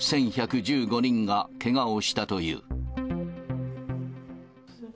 １１１５人がけがをしたという。